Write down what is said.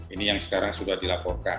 ini yang sekarang sudah dilaporkan